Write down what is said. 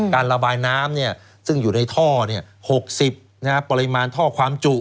การระบายน้ำซึ่งอยู่ในท่อ๖๐ปริมาณท่อความจุ